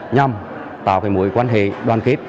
nhằm tạo mối quan hệ đoàn kết